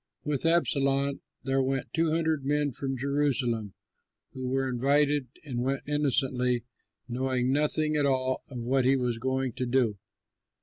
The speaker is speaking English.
'" With Absalom there went two hundred men from Jerusalem, who were invited and went innocently, knowing nothing at all of what he was going to do.